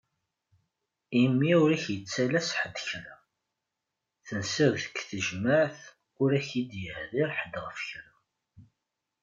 Imi ur ak-yettalas ḥed kra! Tensiḍ deg tejmaɛt ur ak-d-yehḍir ḥed ɣef kra.